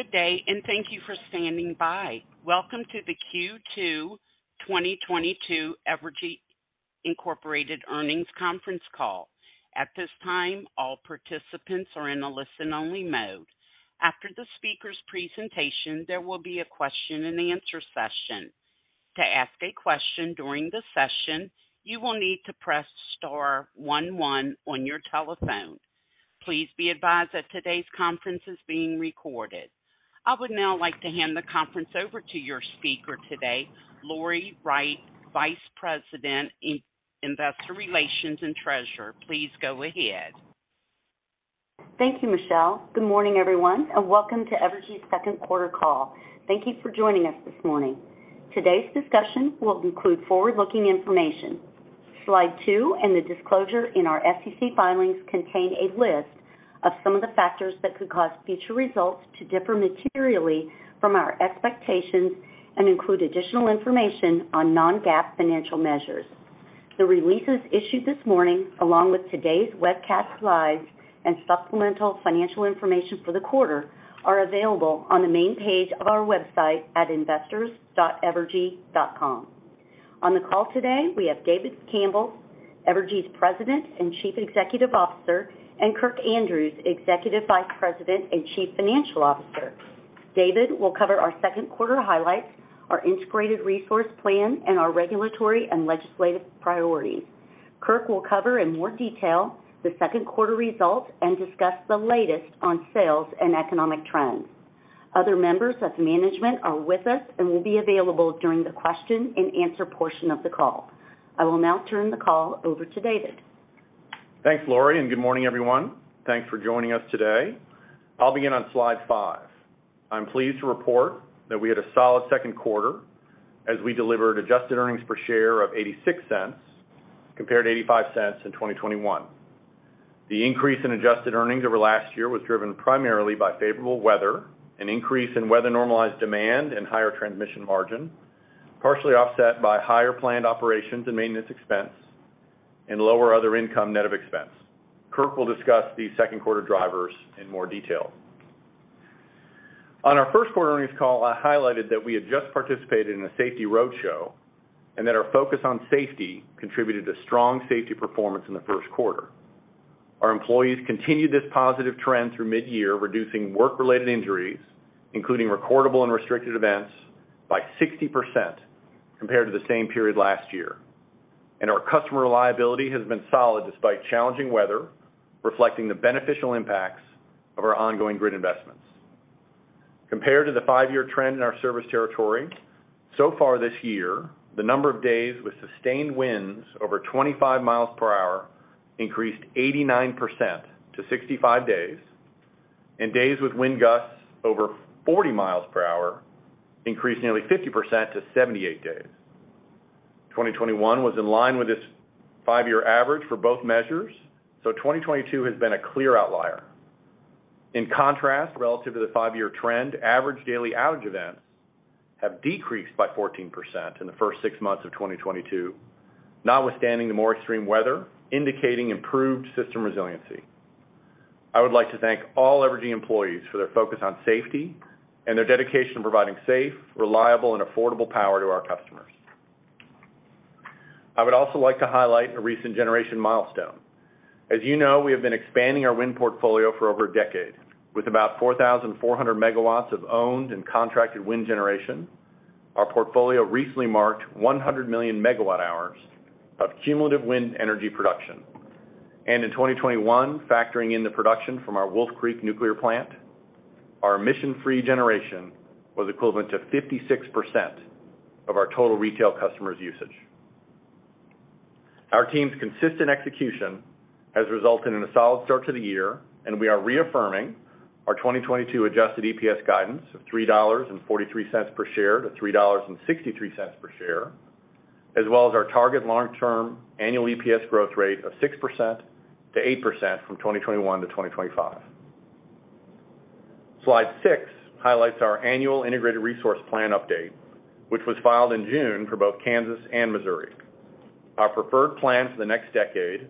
Good day, and thank you for standing by. Welcome to the Q2 2022 Evergy Inc. Earnings Conference Call. At this time, all participants are in a listen-only mode. After the speaker's presentation, there will be a question and answer session. To ask a question during the session, you will need to press star one one on your telephone. Please be advised that today's conference is being recorded. I would now like to hand the conference over to your speaker today, Lori Wright, Vice President, Investor Relations and Treasurer. Please go ahead. Thank you, Michelle. Good morning, everyone, and welcome to Evergy's Q2 call. Thank you for joining us this morning. Today's discussion will include forward-looking information. Slide 2 and the disclosure in our SEC filings contain a list of some of the factors that could cause future results to differ materially from our expectations and include additional information on non-GAAP financial measures. The releases issued this morning, along with today's webcast slides and supplemental financial information for the quarter, are available on the main page of our website at investors.evergy.com. On the call today, we have David Campbell, Evergy's President and Chief Executive Officer, and Kirk Andrews, Executive Vice President and Chief Financial Officer. David will cover our Q2 highlights, our integrated resource plan, and our regulatory and legislative priorities. Kirk will cover in more detail the Q2 results and discuss the latest on sales and economic trends. Other members of management are with us and will be available during the question and answer portion of the call. I will now turn the call over to David. Thanks, Lori, and good morning, everyone. Thanks for joining us today. I'll begin on Slide 5. I'm pleased to report that we had a solid Q2 as we delivered adjusted earnings per share of $0.86 compared to $0.85 in 2021. The increase in adjusted earnings over last year was driven primarily by favorable weather, an increase in weather normalized demand and higher transmission margin, partially offset by higher planned operations and maintenance expense and lower other income net of expense. Kirk will discuss these Q2 drivers in more detail. On our Q1 Earnings Call, I highlighted that we had just participated in a safety roadshow and that our focus on safety contributed to strong safety performance in the Q1. Our employees continued this positive trend through mid-year, reducing work-related injuries, including recordable and restricted events, by 60% compared to the same period last year. Our customer reliability has been solid despite challenging weather, reflecting the beneficial impacts of our ongoing grid investments. Compared to the five-year trend in our service territory, so far this year, the number of days with sustained winds over 25 miles per hour increased 89% to 65 days, and days with wind gusts over 40 miles per hour increased nearly 50% to 78 days. 2021 was in line with this five-year average for both measures, so, 2022 has been a clear outlier. In contrast, relative to the five-year trend, average daily outage events have decreased by 14% in the first six months of 2022, notwithstanding the more extreme weather, indicating improved system resiliency. I would like to thank all Evergy employees for their focus on safety and their dedication to providing safe, reliable, and affordable power to our customers. I would also like to highlight a recent generation milestone. As you know, we have been expanding our wind portfolio for over a decade with about 4,400 megawatts of owned and contracted wind generation. Our portfolio recently marked 100 million megawatt-hours of cumulative wind energy production. In 2021, factoring in the production from our Wolf Creek Nuclear Plant, our emission-free generation was equivalent to 56% of our total retail customers' usage. Our team's consistent execution has resulted in a solid start to the year, and we are reaffirming our 2022 adjusted EPS guidance of $3.43 per share-$3.63 per share, as well as our target long-term annual EPS growth rate of 6%-8% from 2021 to 2025. Slide 6 highlights our annual Integrated Resource Plan update, which was filed in June for both Kansas and Missouri. Our preferred plan for the next decade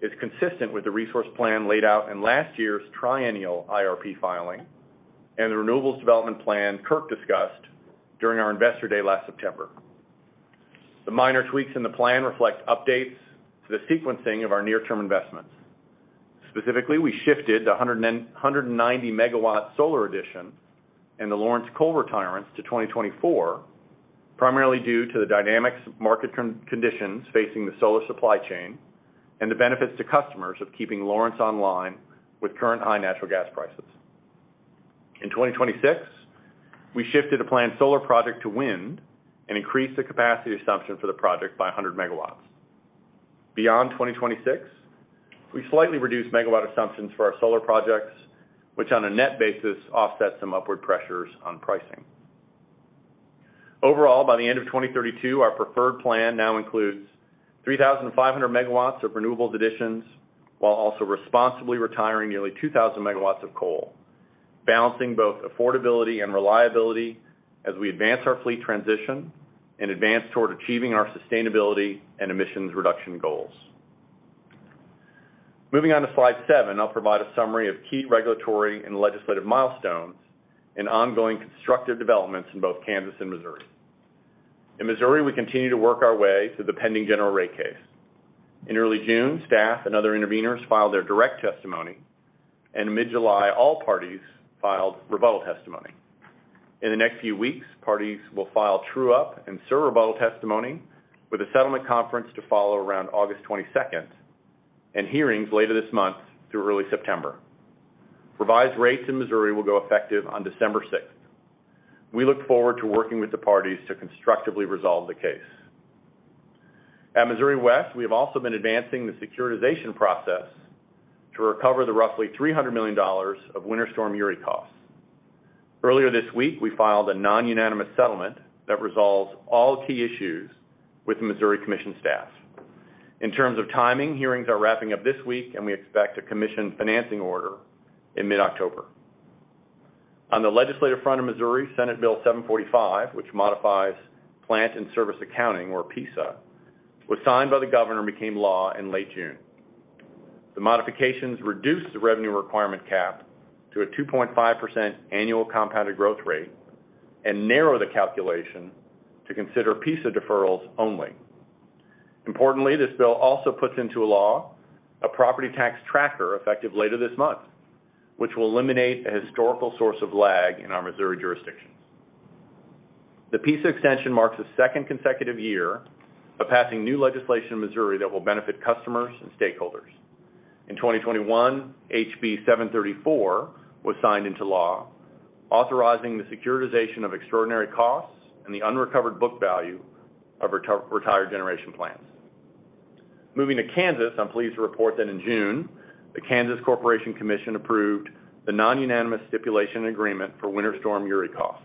is consistent with the resource plan laid out in last year's Triennial IRP filing and the renewables development plan Kirk discussed during our Investor Day last September. The minor tweaks in the plan reflect updates to the sequencing of our near-term investments. Specifically, we shifted the 190 megawatts solar addition and the Lawrence coal retirements to 2024, primarily due to the dynamic market conditions facing the solar supply chain and the benefits to customers of keeping Lawrence online with current high natural gas prices. In 2026, we shifted a planned solar project to wind and increased the capacity assumption for the project by 100 megawatts. Beyond 2026, we slightly reduced megawatt assumptions for our solar projects, which on a net basis offset some upward pressures on pricing. Overall, by the end of 2032, our preferred plan now includes 3,500 megawatts of renewables additions while also responsibly retiring nearly 2,000 megawatts of coal, balancing both affordability and reliability as we advance our fleet transition and advance toward achieving our sustainability and emissions reduction goals. Moving on to Slide 7, I'll provide a summary of key regulatory and legislative milestones and ongoing constructive developments in both Kansas and Missouri. In Missouri, we continue to work our way through the pending general rate case. In early June, staff and other interveners filed their direct testimony, and in mid-July, all parties filed rebuttal testimony. In the next few weeks, parties will file true-up and surrebuttal testimony with a settlement conference to follow around August 22nd, and hearings later this month through early September. Revised rates in Missouri will go effective on December 6th. We look forward to working with the parties to constructively resolve the case. At Evergy Missouri West, we have also been advancing the securitization process to recover the roughly $300 million of Winter Storm Uri costs. Earlier this week, we filed a non-unanimous settlement that resolves all key issues with the Missouri Public Service Commission staff. In terms of timing, hearings are wrapping up this week, and we expect a commission financing order in mid-October. On the legislative front of Missouri, Senate Bill 745, which modifies Plant In Service Accounting, or PISA, was signed by the governor and became law in late June. The modifications reduced the revenue requirement cap to a 2.5% annual compounded growth rate and narrow the calculation to consider PISA deferrals only. Importantly, this bill also puts into law a property tax tracker effective later this month, which will eliminate a historical source of lag in our Missouri jurisdictions. The PISA extension marks the second consecutive year of passing new legislation in Missouri that will benefit customers and stakeholders. In 2021, HB 734 was signed into law, authorizing the securitization of extraordinary costs and the unrecovered book value of retired generation plans. Moving to Kansas, I'm pleased to report that in June, the Kansas Corporation Commission approved the non-unanimous stipulation agreement for Winter Storm Uri costs.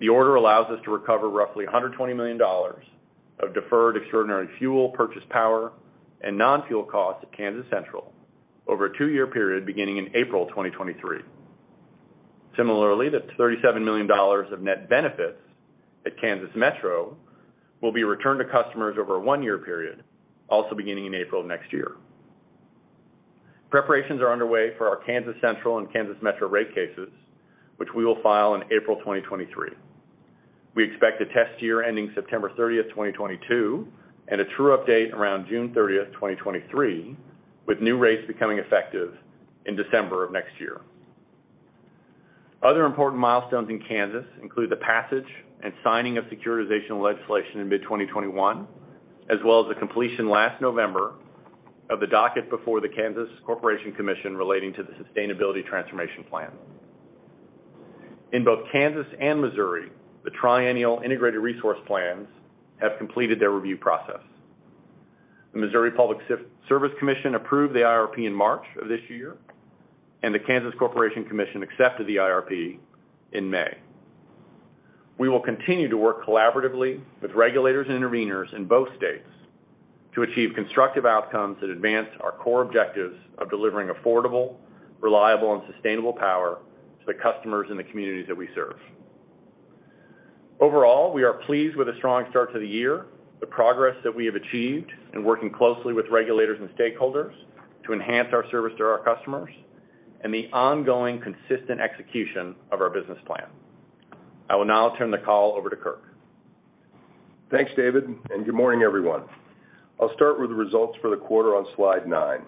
The order allows us to recover roughly $120 million of deferred extraordinary fuel purchase power and non-fuel costs at Kansas Central over a two-year period beginning in April 2023. Similarly, the $37 million of net benefits at Kansas Metro will be returned to customers over a one-year period, also beginning in April of next year. Preparations are underway for our Kansas Central and Kansas Metro rate cases, which we will file in April 2023. We expect a test year ending September 30th, 2022, and a true update around June 30th, 2023, with new rates becoming effective in December of next year. Other important milestones in Kansas include the passage and signing of securitization legislation in mid-2021, as well as the completion last November of the docket before the Kansas Corporation Commission relating to the Sustainability Transformation Plan. In both Kansas and Missouri, the Triennial Integrated Resource Plans have completed their review process. The Missouri Public Service Commission approved the IRP in March of this year, and the Kansas Corporation Commission accepted the IRP in May. We will continue to work collaboratively with regulators and interveners in both states to achieve constructive outcomes that advance our core objectives of delivering affordable, reliable, and sustainable power to the customers in the communities that we serve. Overall, we are pleased with the strong start to the year, the progress that we have achieved in working closely with regulators and stakeholders to enhance our service to our customers, and the ongoing consistent execution of our business plan. I will now turn the call over to Kirk. Thanks, David, and good morning, everyone. I'll start with the results for the quarter on Slide 9.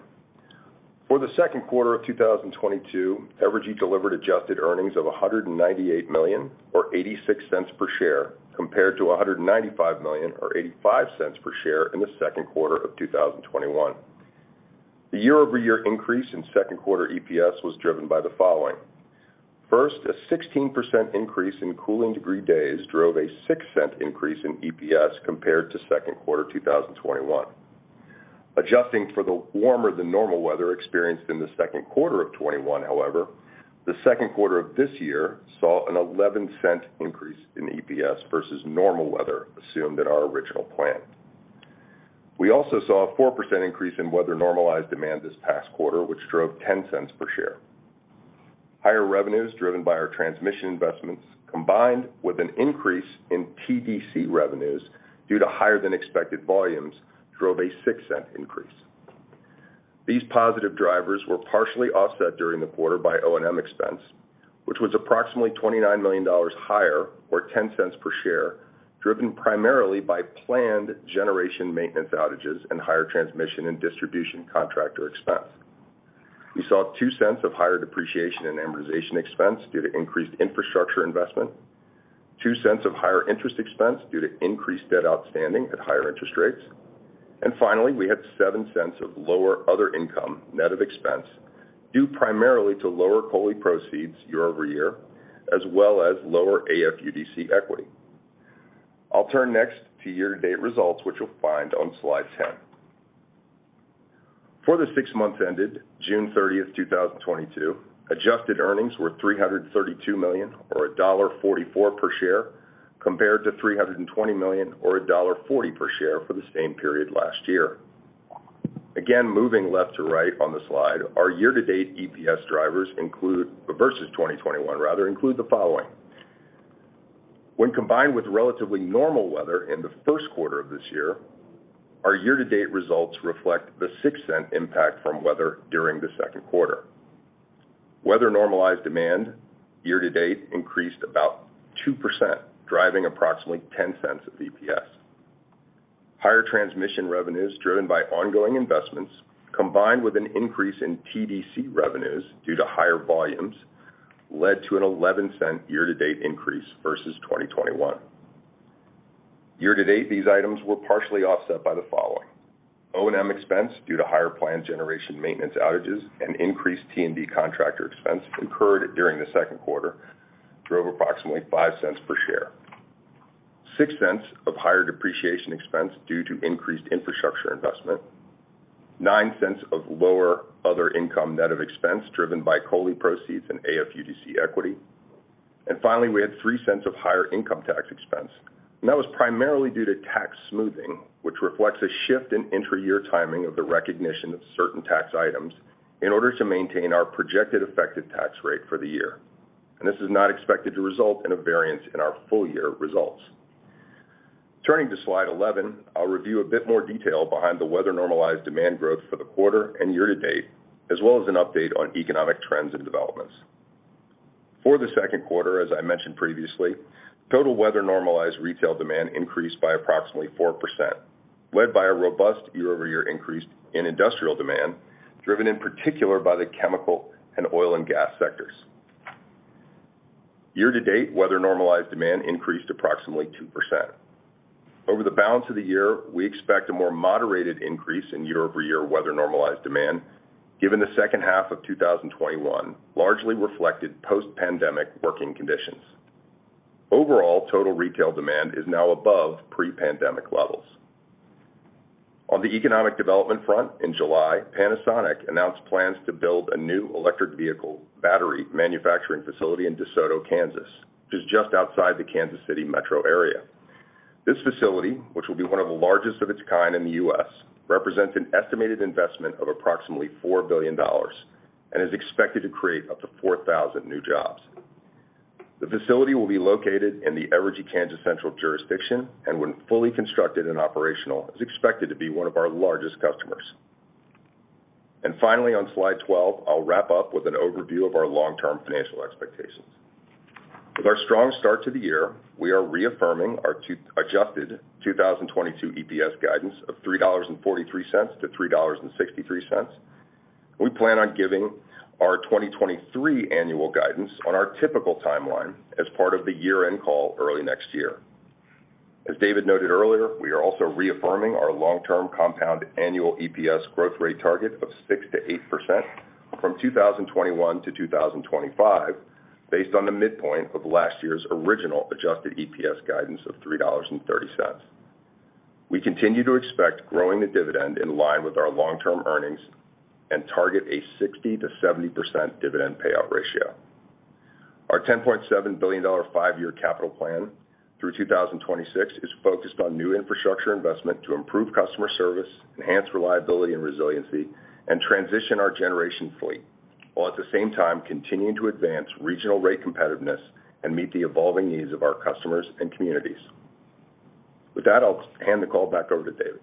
For the Q2 of 2022, Evergy delivered adjusted earnings of $198 million or $0.86 per share, compared to $195 million or $0.85 per share in the Q2 of 2021. The year-over-year increase in Q2 EPS was driven by the following. First, a 16% increase in cooling degree days drove a $0.06 increase in EPS compared to Q2 2021. Adjusting for the warmer than normal weather experienced in the Q2 of 2021, however, the Q2 of this year saw a $0.11 increase in EPS versus normal weather assumed in our original plan. We also saw a 4% increase in weather-normalized demand this past quarter, which drove $0.10 per share. Higher revenues driven by our transmission investments, combined with an increase in TDC revenues due to higher than expected volumes, drove a $0.06 increase. These positive drivers were partially offset during the quarter by O&M expense, which was approximately $29 million higher, or $0.10 per share, driven primarily by planned generation maintenance outages and higher transmission and distribution contractor expense. We saw $0.02 of higher depreciation and amortization expense due to increased infrastructure investment, $0.02 of higher interest expense due to increased debt outstanding at higher interest rates. Finally, we had $0.07 of lower other income net of expense, due primarily to lower COLI proceeds year-over-year, as well as lower AFUDC equity. I'll turn next to year-to-date results, which you'll find on Slide 10. For the six months ended June 30th, 2022, adjusted earnings were $332 million or $1.44 per share, compared to $320 million or $1.40 per share for the same period last year. Again, moving left to right on the slide, our year-to-date EPS drivers include the following. When combined with relatively normal weather in the Q1 of this year, our year-to-date results reflect the $0.06 impact from weather during the Q2. Weather normalized demand year-to-date increased about 2%, driving approximately $0.10 of EPS. Higher transmission revenues driven by ongoing investments, combined with an increase in TDC revenues due to higher volumes, led to an $0.11 year-to-date increase versus 2021. Year-to-date, these items were partially offset by the following. O&M expense due to higher plant generation maintenance outages and increased T&D contractor expense incurred during the Q2 drove approximately $0.05 per share. $0.06 of higher depreciation expense due to increased infrastructure investment. $0.09 of lower other income net of expense driven by COLI proceeds and AFUDC equity. Finally, we had $0.03 of higher income tax expense, and that was primarily due to tax smoothing, which reflects a shift in intra-year timing of the recognition of certain tax items in order to maintain our projected effective tax rate for the year. This is not expected to result in a variance in our FY results. Turning to Slide 11, I'll review a bit more detail behind the weather normalized demand growth for the quarter and year-to-date, as well as an update on economic trends and developments. For the Q2, as I mentioned previously, total weather normalized retail demand increased by approximately 4%, led by a robust year-over-year increase in industrial demand, driven in particular by the chemical and oil and gas sectors. Year-to-date, weather normalized demand increased approximately 2%. Over the balance of the year, we expect a more moderated increase in year-over-year weather normalized demand given the H2 of 2021 largely reflected post-pandemic working conditions. Overall, total retail demand is now above pre-pandemic levels. On the economic development front, in July, Panasonic announced plans to build a new electric vehicle battery manufacturing facility in DeSoto, Kansas, which is just outside the Kansas City metro area. This facility, which will be one of the largest of it's kind in the U.S., represents an estimated investment of approximately $4 billion and is expected to create up to 4,000 new jobs. The facility will be located in the Evergy Kansas Central jurisdiction, and when fully constructed and operational, is expected to be one of our largest customers. Finally, on Slide 12, I'll wrap up with an overview of our long-term financial expectations. With our strong start to the year, we are reaffirming our adjusted 2022 EPS guidance of $3.43-$3.63. We plan on giving our 2023 annual guidance on our typical timeline as part of the year-end call early next year. As David noted earlier, we are also reaffirming our long-term compound annual EPS growth rate target of 6%-8% from 2021 to 2025, based on the midpoint of last year's original adjusted EPS guidance of $3.30. We continue to expect growing the dividend in line with our long-term earnings and target a 60%-70% dividend payout ratio. Our $10.7 billion five-year capital plan through 2026 is focused on new infrastructure investment to improve customer service, enhance reliability and resiliency, and transition our generation fleet, while at the same time continuing to advance regional rate competitiveness and meet the evolving needs of our customers and communities. With that, I'll hand the call back over to David.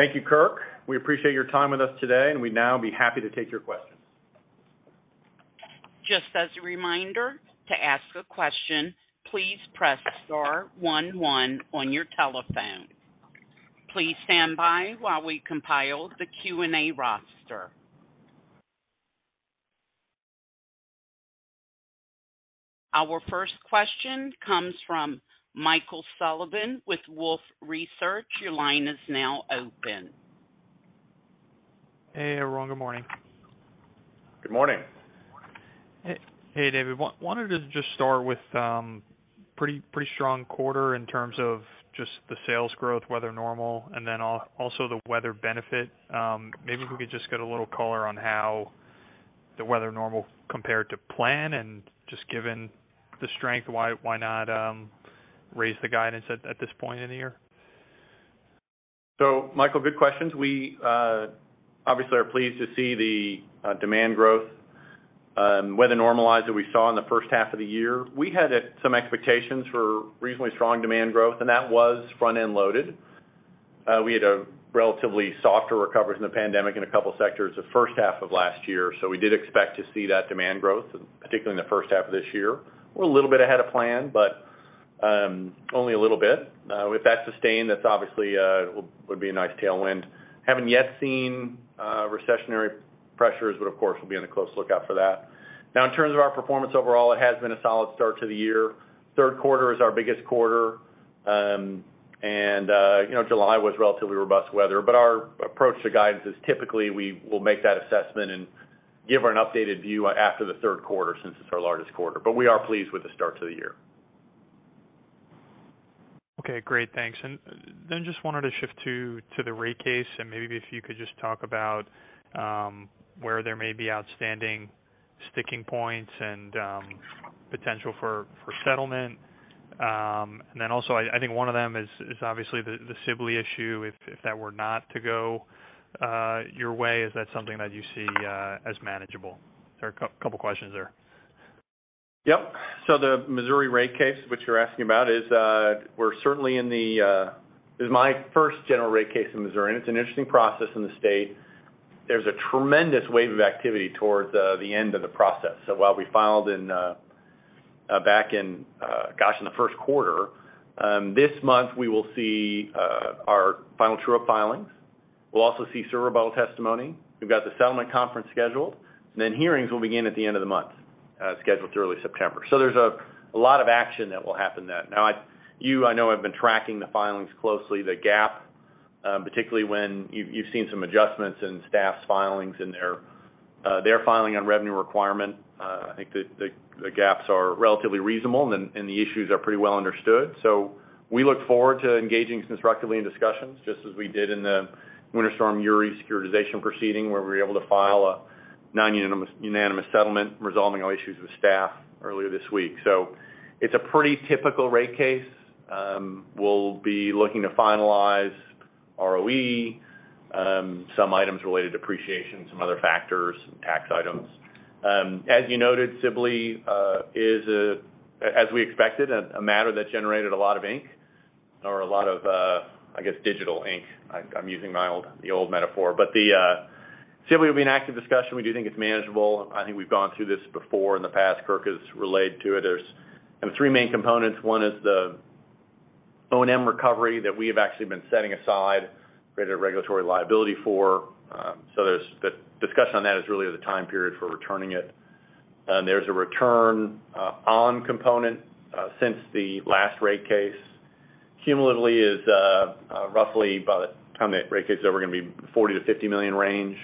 Thank you, Kirk. We appreciate your time with us today, and we'd now be happy to take your questions. Just as a reminder, to ask a question, please press star one one on your telephone. Please stand by while we compile the Q&A roster. Our first question comes from Michael Sullivan with Wolfe Research. Your line is now open. Hey, everyone. Good morning. Good morning. Hey, David. Wanted to just start with pretty strong quarter in terms of just the sales growth, weather normal, and then also the weather benefit. Maybe if we could just get a little color on how the weather normal compared to plan and just given the strength, why not raise the guidance at this point in the year? Michael, good questions. We obviously are pleased to see the demand growth, weather normalized that we saw in the H1 of the year. We had some expectations for reasonably strong demand growth, and that was front-end loaded. We had a relatively softer recovery from the pandemic in a couple sectors the H1 of last year. We did expect to see that demand growth, particularly in the H1 of this year. We're a little bit ahead of plan, but only a little bit. If that's sustained, that's obviously would be a nice tailwind. Haven't yet seen recessionary pressures, but of course, we'll be on a close lookout for that. Now in terms of our performance overall, it has been a solid start to the year. Q3 is our biggest quarter, and you know, July was relatively robust weather. Our approach to guidance is typically we will make that assessment and give an updated view after the Q3 since it's our largest quarter. We are pleased with the start to the year. Okay, great. Thanks. Just wanted to shift to the rate case. Maybe if you could just talk about where there may be outstanding sticking points and potential for settlement. I think one of them is obviously the Sibley issue. If that were not to go your way, is that something that you see as manageable? There are a couple questions there. Yep. The Missouri rate case, which you're asking about, is. This is my first general rate case in Missouri, and it's an interesting process in the state. There's a tremendous wave of activity towards the end of the process. While we filed back in, gosh, in the Q1, this month, we will see our final true-up filings. We'll also see surrebuttal testimony. We've got the settlement conference scheduled, and then hearings will begin at the end of the month, scheduled through early September. There's a lot of action that will happen then. Now, I know you have been tracking the filings closely, the gap, particularly when you've seen some adjustments in staff's filings and their filing on revenue requirement. I think the gaps are relatively reasonable and the issues are pretty well understood. We look forward to engaging constructively in discussions, just as we did in the Winter Storm Uri securitization proceeding, where we were able to file a nonunanimous settlement resolving all issues with staff earlier this week. It's a pretty typical rate case. We'll be looking to finalize ROE, some items related to depreciation, some other factors, some tax items. As you noted, Sibley is as we expected a matter that generated a lot of ink or a lot of I guess digital ink. I'm using the old metaphor. Sibley will be an active discussion. We do think it's manageable, and I think we've gone through this before in the past. Kirk has related to it. There's you know three main components. One is the O&M recovery that we have actually been setting aside, created a regulatory liability for, so the discussion on that is really the time period for returning it. There's a return on component since the last rate case. Cumulatively is roughly by the time that rate case is over, we're gonna be $40 million-$50 million range.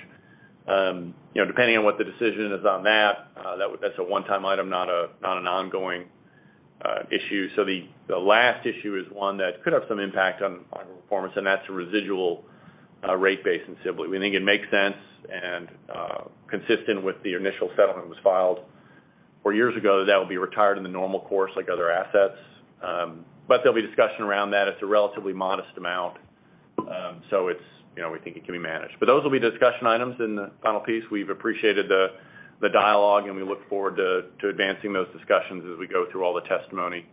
You know, depending on what the decision is on that's a one-time item, not an ongoing issue. The last issue is one that could have some impact on performance, and that's a residual rate base in Sibley. We think it makes sense and consistent with the initial settlement was filed four years ago, that will be retired in the normal course like other assets. There'll be discussion around that. It's a relatively modest amount. It's, you know, we think it can be managed. Those will be discussion items in the final piece. We've appreciated the dialogue, and we look forward to advancing those discussions as we go through all the testimony,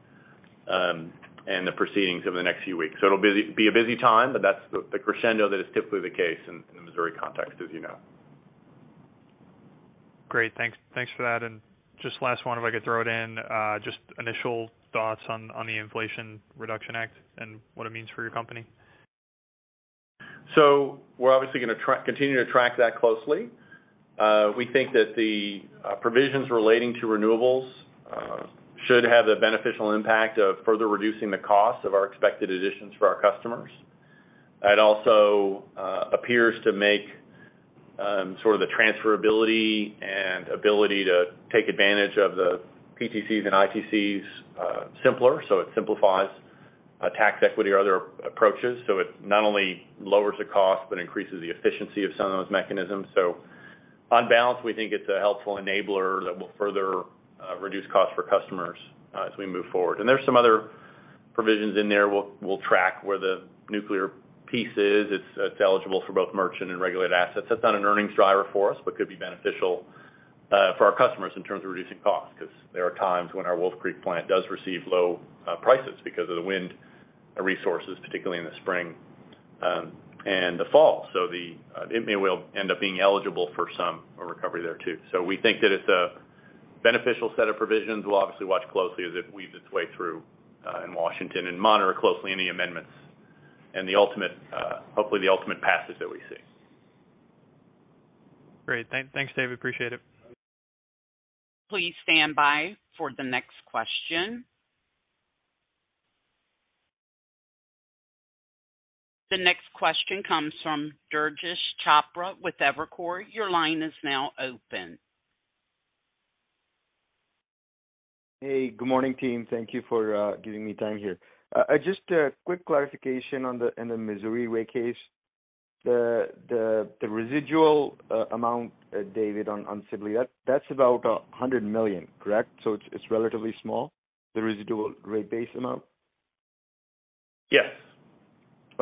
and the proceedings over the next few weeks. It'll be a busy time, but that's the crescendo that is typically the case in the Missouri context, as you know. Great. Thanks for that. Just last one, if I could throw it in, just initial thoughts on the Inflation Reduction Act and what it means for your company. We're obviously going to continue to track that closely. We think that the provisions relating to renewables should have the beneficial impact of further reducing the cost of our expected additions for our customers. It also appears to make sort of the transferability and ability to take advantage of the PTCs and ITCs simpler, so it simplifies tax equity or other approaches. On balance, we think it's a helpful enabler that will further reduce costs for customers as we move forward. There's some other provisions in there we'll track where the nuclear piece is. It's eligible for both merchant and regulated assets. That's not an earnings driver for us, but could be beneficial, for our customers in terms of reducing costs, 'cause there are times when our Wolf Creek plant does receive low, prices because of the wind resources, particularly in the spring, and the fall. It may well end up being eligible for some recovery there, too. We think that it's a beneficial set of provisions. We'll obviously watch closely as it weaves it's way through, in Washington and monitor closely any amendments and the ultimate, hopefully, the ultimate passes that we see. Great. Thanks, Dave. Appreciate it. Please stand by for the next question. The next question comes from Durgesh Chopra with Evercore. Your line is now open. Hey, good morning, team. Thank you for giving me time here. Just a quick clarification in the Missouri rate case. The residual amount, David, on Sibley, that's about $100 million, correct? So it's relatively small, the residual rate base amount? Yes.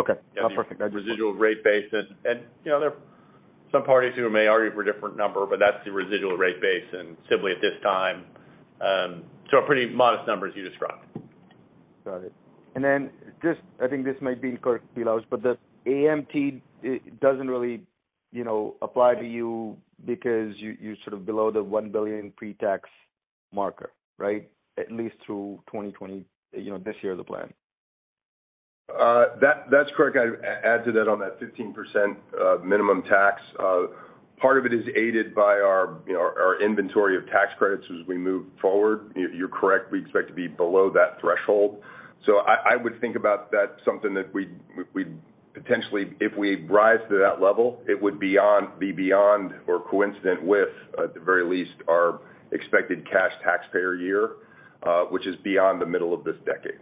Okay. Perfect. The residual rate base. You know, there are some parties who may argue for a different number, but that's the residual rate base in Sibley at this time. Pretty modest numbers you described. Got it. Just I think this might be for Kirk, if he likes, but the AMT, it doesn't really, you know, apply to you because you're sort of below the 1 billion pre-tax marker, right? At least through 2020, you know, this year, the plan. That's correct. I'd add to that on that 15% minimum tax. Part of it is aided by our, you know, our inventory of tax credits as we move forward. You're correct, we expect to be below that threshold. I would think about that, something that we'd potentially if we rise to that level, it would be beyond or coincident with, at the very least, our expected cash taxpayer year, which is beyond the middle of this decade.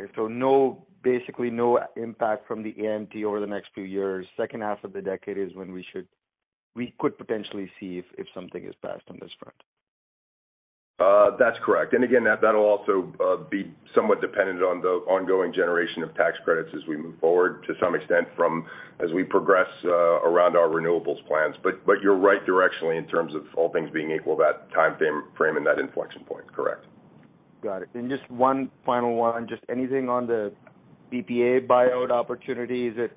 Okay. Basically no impact from the AMT over the next few years. Second half of the decade is when we could potentially see if something is passed on this front. That's correct. Again, that'll also be somewhat dependent on the ongoing generation of tax credits as we move forward to some extent as we progress around our renewables plans. You're right directionally in terms of all things being equal, that timeframe and that inflection point. Correct. Got it. Just one final one. Just anything on the PPA buyout opportunity. Is it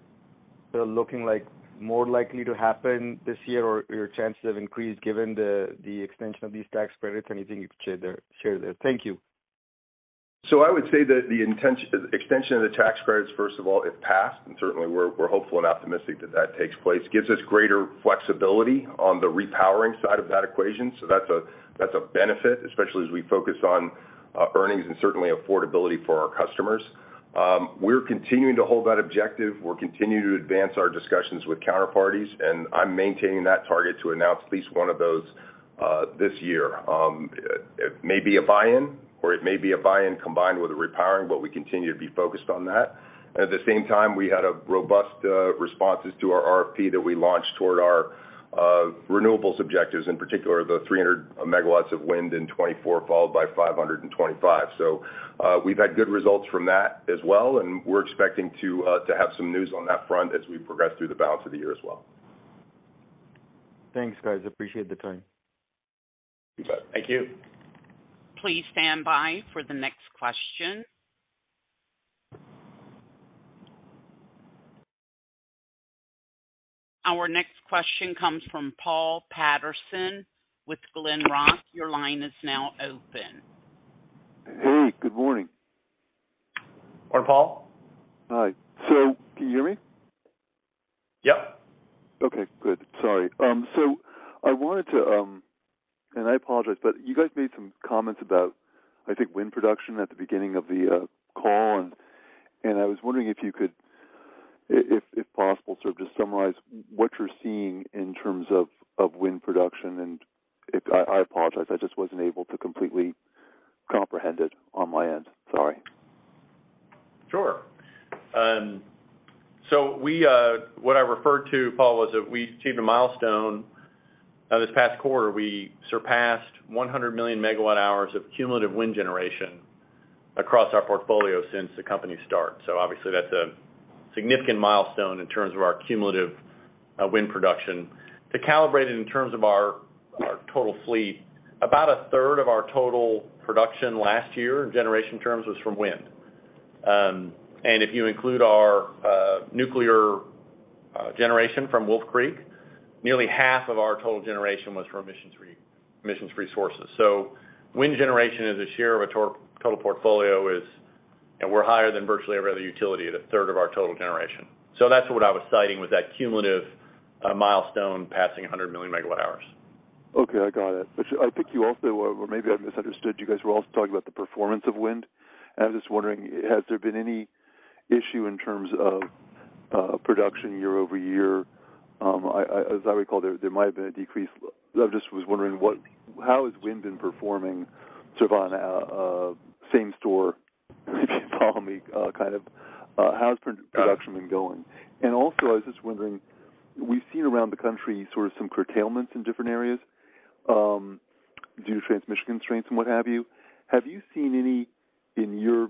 still looking like more likely to happen this year, or your chances have increased given the extension of these tax credits? Anything you could share there? Thank you. I would say that the extension of the tax credits, first of all, if passed, and certainly we're hopeful and optimistic that that takes place, gives us greater flexibility on the repowering side of that equation. That's a benefit, especially as we focus on earnings and certainly affordability for our customers. We're continuing to hold that objective. We're continuing to advance our discussions with counterparties, and I'm maintaining that target to announce at least one of those this year. It may be a buy-in or it may be a buy-in combined with a repowering, but we continue to be focused on that. At the same time, we had robust responses to our RFP that we launched toward our renewables objectives, in particular the 300 megawatts of wind in 2024, followed by 525. We've had good results from that as well, and we're expecting to have some news on that front as we progress through the balance of the year as well. Thanks, guys, appreciate the time. You bet. Thank you. Please stand by for the next question. Our next question comes from Paul Patterson with Glenrock. Your line is now open. Hey, good morning. Morning, Paul. Hi. Can you hear me? Yep. Okay, good. Sorry. I wanted to, and I apologize, but you guys made some comments about, I think, wind production at the beginning of the call. I was wondering if you could, if possible, sort of just summarize what you're seeing in terms of wind production. I apologize, I just wasn't able to completely comprehend it on my end. Sorry. Sure. What I referred to, Paul, was that we achieved a milestone this past quarter. We surpassed 100 million megawatt hours of cumulative wind generation across our portfolio since the company start. Obviously that's a significant milestone in terms of our cumulative wind production. To calibrate it in terms of our total fleet, about a third of our total production last year in generation terms was from wind. If you include our nuclear generation from Wolf Creek, nearly half of our total generation was from emissions-free sources. Wind generation as a share of total portfolio is, and we're higher than virtually every other utility at a third of our total generation. That's what I was citing was that cumulative milestone passing 100 million megawatt hours. Okay. I got it. I think you also, or maybe I misunderstood, you guys were also talking about the performance of wind. I'm just wondering, has there been any issue in terms of production year-over-year? As I recall, there might have been a decrease. I just was wondering how has wind been performing sort of on a same store, if you follow me, kind of how's production been going? Also I was just wondering, we've seen around the country sort of some curtailments in different areas due to transmission constraints and what have you. Have you seen any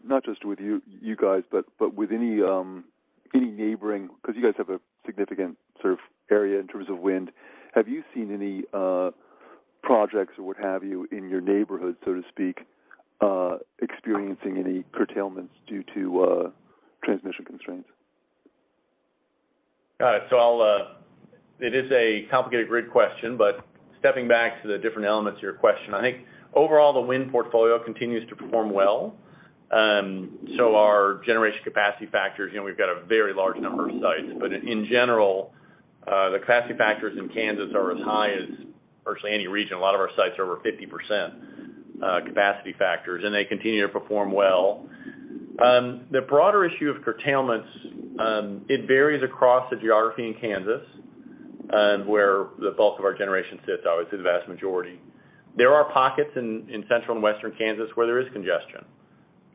not just with you guys, but with any neighboring, because you guys have a significant sort of area in terms of wind. Have you seen any projects or what have you in your neighborhood, so to speak, experiencing any curtailments due to transmission constraints? It is a complicated great question, but stepping back to the different elements of your question, I think overall the wind portfolio continues to perform well. Our generation capacity factors, you know, we've got a very large number of sites. In general, the capacity factors in Kansas are as high as virtually any region. A lot of our sites are over 50%, capacity factors, and they continue to perform well. The broader issue of curtailments, it varies across the geography in Kansas, where the bulk of our generation sits, obviously the vast majority. There are pockets in Central and Western Kansas where there is congestion,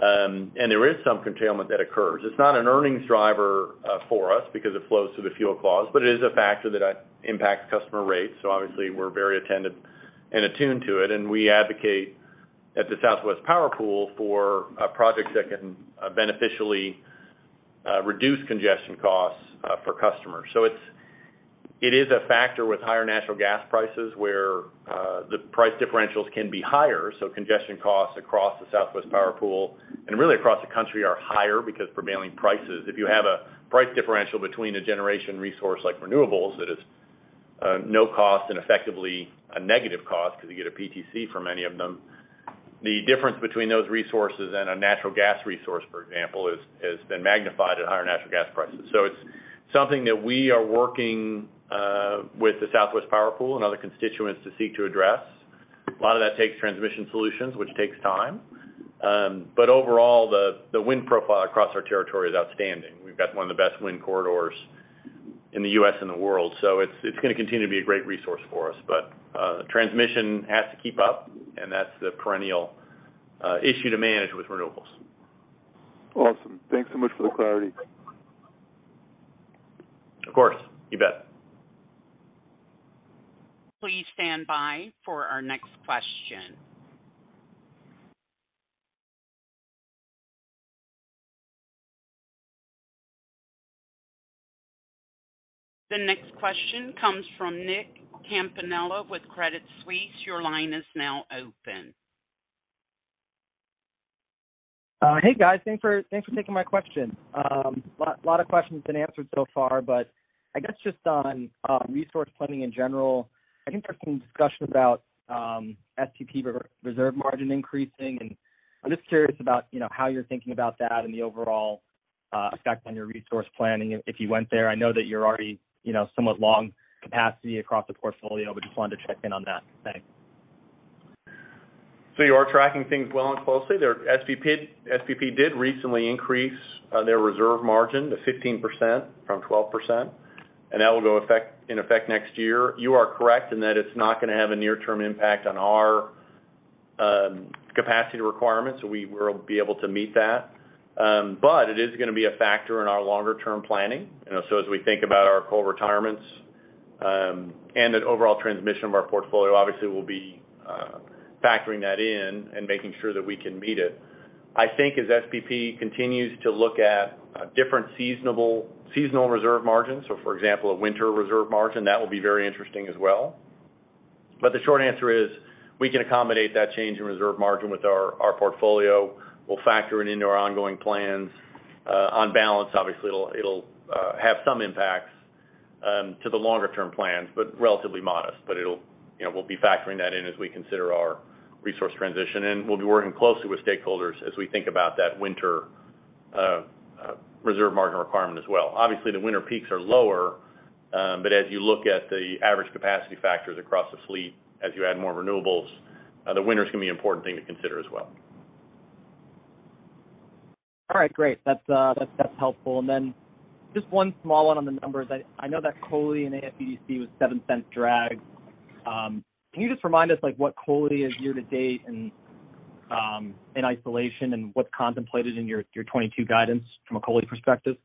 and there is some curtailment that occurs. It's not an earnings driver for us because it flows through the fuel clause, but it is a factor that impacts customer rates. Obviously we're very attentive and attuned to it, and we advocate at the Southwest Power Pool for projects that can beneficially reduce congestion costs for customers. It's a factor with higher natural gas prices, where the price differentials can be higher. Congestion costs across the Southwest Power Pool and really across the country are higher because prevailing prices. If you have a price differential between a generation resource like renewables, that is no cost and effectively a negative cost because you get a PTC from many of them. The difference between those resources and a natural gas resource, for example, has been magnified at higher natural gas prices. It's something that we are working with the Southwest Power Pool and other constituents to seek to address. A lot of that takes transmission solutions, which takes time. Overall the wind profile across our territory is outstanding. We've got one of the best wind corridors in the U.S. and the world. It's gonna continue to be a great resource for us. Transmission has to keep up, and that's the perennial issue to manage with renewables. Awesome. Thanks so much for the clarity. Of course. You bet. Please stand by for our next question. The next question comes from Nick Campanella with Credit Suisse. Your line is now open. Hey, guys. Thanks for taking my question. A lot of questions been answered so far, but I guess just on resource planning in general, I think there's been discussion about SPP reserve margin increasing, and I'm just curious about, you know, how you're thinking about that and the overall effect on your resource planning if you went there. I know that you're already, you know, somewhat long capacity across the portfolio, but just wanted to check in on that. Thanks. You are tracking things well and closely. Their SPP did recently increase their reserve margin to 15% from 12%, and that will, in effect, next year. You are correct in that it's not gonna have a near-term impact on our capacity requirements, so we will be able to meet that. But it is gonna be a factor in our longer term planning, you know. As we think about our coal retirements, and an overall transformation of our portfolio, obviously we'll be factoring that in and making sure that we can meet it. I think as SPP continues to look at different seasonal reserve margins, so for example, a winter reserve margin, that will be very interesting as well. But the short answer is, we can accommodate that change in reserve margin with our portfolio. We'll factor it into our ongoing plans. On balance, obviously it'll have some impacts to the longer term plans, but relatively modest. You know, we'll be factoring that in as we consider our resource transition, and we'll be working closely with stakeholders as we think about that winter reserve margin requirement as well. Obviously, the winter peaks are lower, but as you look at the average capacity factors across the fleet, as you add more renewables, the winter's gonna be an important thing to consider as well. All right. Great. That's helpful. Then just one small one on the numbers. I know that COLI and AFUDC was $0.07 drag. Can you just remind us, like, what COLI is year-to-date and, in isolation and what's contemplated in your 2022 guidance from a COLI perspective?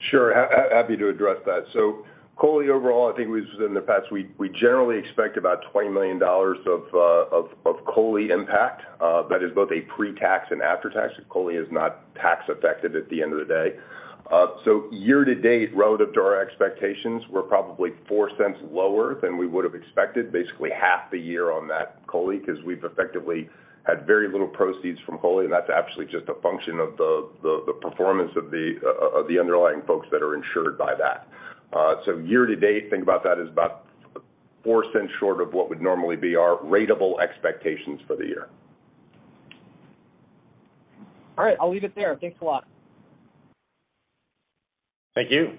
Sure. Happy to address that. COLI overall, I think we've said in the past, we generally expect about $20 million of COLI impact. That is both a pre-tax and after tax. COLI is not tax effective at the end of the day. year-to-date, relative to our expectations, we're probably $0.04 lower than we would've expected, basically half the year on that COLI, 'cause we've effectively had very little proceeds from COLI, and that's absolutely just a function of the performance of the underlying folks that are insured by that. So, year-to-date, think about that as about $0.04 short of what would normally be our ratable expectations for the year. All right. I'll leave it there. Thanks a lot. Thank you.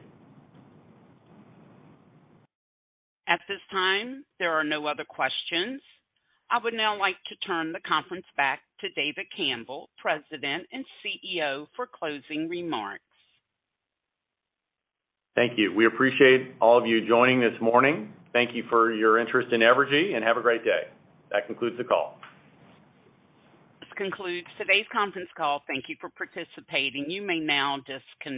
At this time, there are no other questions. I would now like to turn the conference back to David Campbell, President and CEO, for closing remarks. Thank you. We appreciate all of you joining this morning. Thank you for your interest in Evergy, and have a great day. That concludes the call. This concludes today's conference call. Thank you for participating. You may now disconnect.